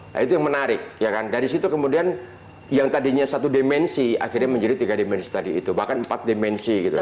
nah itu yang menarik ya kan dari situ kemudian yang tadinya satu dimensi akhirnya menjadi tiga dimensi tadi itu bahkan empat dimensi gitu